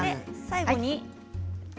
最後に。